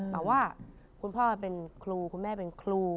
แต่ว่าคุณพ่อเป็นครูคุณแม่เป็นครู